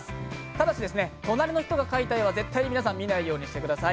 ただし隣の人が描いた絵は絶対に見ないようにしてください。